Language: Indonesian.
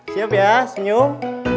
siap ya senyum